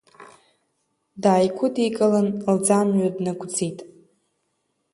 Дааигәыдикылан, лӡамҩа днагәӡит.